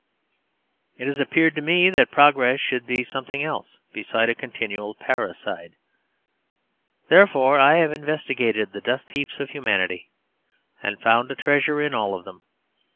It has appeared to me that progress should be something else besides a continual parricide; therefore I have investigated the dust heaps of humanity, and found a treasure in all of them.